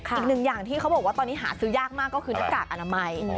อย่างที่เขาบอกว่าตอนนี้หาซื้อยากมากก็คือหน้ากากอนามัย